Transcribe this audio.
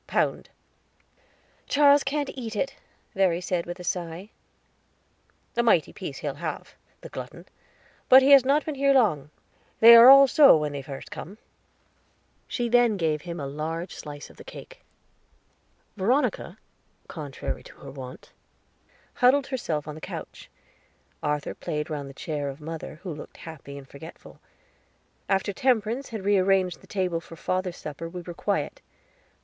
"Pound." "Charles can eat it," Verry said with a sigh. "A mighty small piece he'll have the glutton. But he has not been here long; they are all so when they first come." She then gave him a large slice of the cake. Veronica, contrary to her wont, huddled herself on the sofa. Arthur played round the chair of mother, who looked happy and forgetful. After Temperance had rearranged the table for father's supper we were quiet.